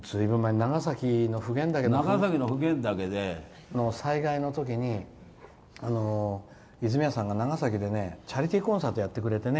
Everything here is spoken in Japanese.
長崎の普賢岳で災害のときに泉谷さんが、長崎でチャリティーコンサートやってくれてね。